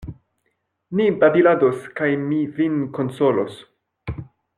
Ni babilados, kaj mi vin konsolos.